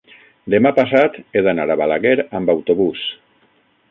demà passat he d'anar a Balaguer amb autobús.